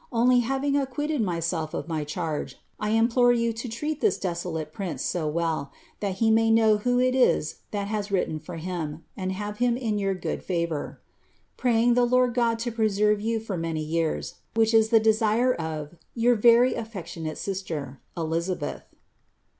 Only having acquit ted myself of my charge, I implore you to treat this desolate prince so well, that be may know who it is that has written for him, and have him in your good livoor. *■ Praying the Lord Gud to preserve you for many years, which is the desire of " Your very affectionate sister, « Elizabbth."